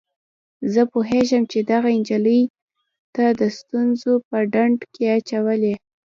زه پوهیږم چي دغه نجلۍ تا د ستونزو په ډنډ کي اچولی.